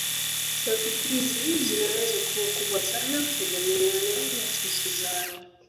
Sauti hizi zinaweza kuwa kubwa sana kutegemeana na spishi zao